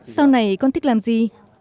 sau này con thích làm gì